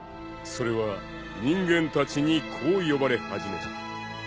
［それは人間たちにこう呼ばれ始めた］